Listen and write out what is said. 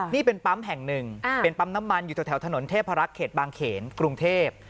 นี่เป็นปั๊มแห่งหนึ่งเป็นปั๊มน้ำมันอยู่แถวถนนเทพรักษ์เขตบางเขนกรุงเทพ